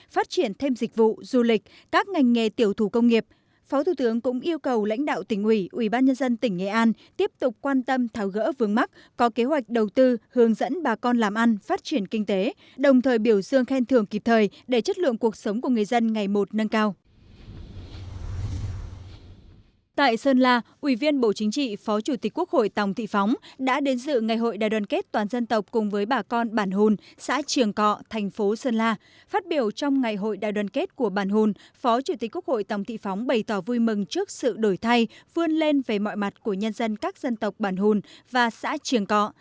phát biểu trong ngày hội đại đoàn kết của bản hùn phó chủ tịch quốc hội tổng thị phóng bày tỏ vui mừng trước sự đổi thay vươn lên về mọi mặt của nhân dân các dân tộc bản hùn và xã triều cọ